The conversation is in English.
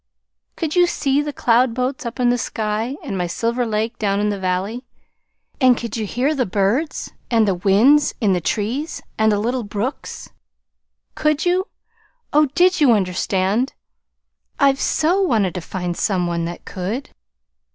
Could you see the cloud boats up in the sky, and my Silver Lake down in the valley? And could you hear the birds, and the winds in the trees, and the little brooks? Could you? Oh, did you understand? I've so wanted to find some one that could!